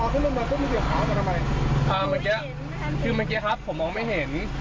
คือเมื่อกี้ครับผมมองไม่เห็น